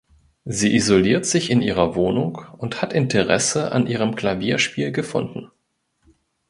Sie isoliert sich in ihrer Wohnung und hat Interesse an ihrem Klavierspiel gefunden.